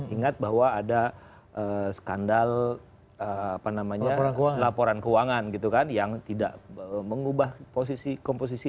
ingat bahwa ada skandal laporan keuangan gitu kan yang tidak mengubah komposisi